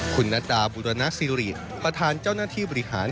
คุณนดาบุรณสิริประธานเจ้าหน้าที่บริหาร